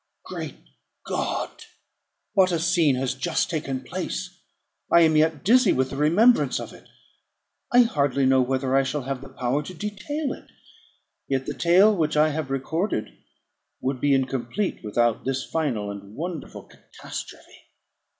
Great God! what a scene has just taken place! I am yet dizzy with the remembrance of it. I hardly know whether I shall have the power to detail it; yet the tale which I have recorded would be incomplete without this final and wonderful catastrophe.